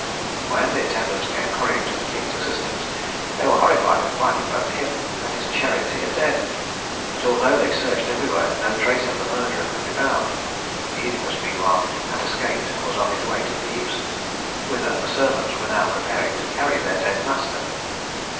When the attendants came hurrying to the king's assistance, they were horrified at finding both him and his charioteer dead; but although they searched everywhere, no trace of the murderer could be found. Œdipus meanwhile had escaped and was on his way to Thebes, whither the servants were now preparing to carry their dead master.